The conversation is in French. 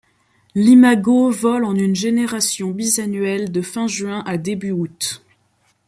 L'imago vole en une génération bisannuelle de fin juin à début août.